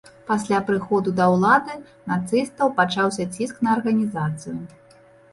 Пасля прыходу да ўлады нацыстаў пачаўся ціск на арганізацыю.